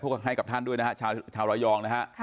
พูดกับใครกับท่านด้วยนะฮะชาวรอยองค์นะฮะ